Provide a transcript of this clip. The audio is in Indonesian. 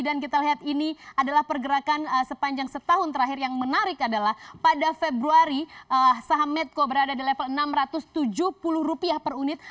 dan kita lihat ini adalah pergerakan sepanjang setahun terakhir yang menarik adalah pada februari saham medco berada di level rp enam ratus tujuh puluh per unit